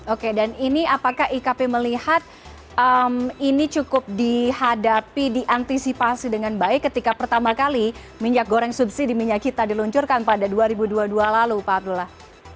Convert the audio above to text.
oke dan ini apakah ikp melihat ini cukup dihadapi diantisipasi dengan baik ketika pertama kali minyak goreng subsidi minyak kita diluncurkan pada dua ribu dua puluh dua lalu pak abdullah